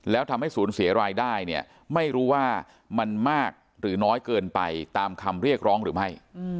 แล้วทำให้ศูนย์เสียรายได้เนี่ยไม่รู้ว่ามันมากหรือน้อยเกินไปตามคำเรียกร้องหรือไม่